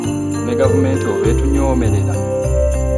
Ne gavumenti oba etunyoomerera!